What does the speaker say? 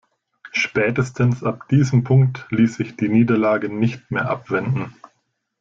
Spätestens ab diesem Punkt ließ sich die Niederlage nicht mehr abwenden.